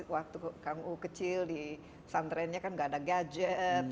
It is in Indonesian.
waktu kang uu kecil di pesantrennya kan gak ada gadget